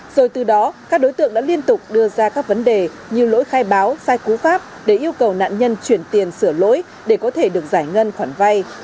rồi từ đó các đối tượng đã liên tục đưa ra các vấn đề như lỗi khai báo sai cú pháp để yêu cầu nạn nhân chuyển tiền sửa lỗi để có thể được giải ngân khoản vay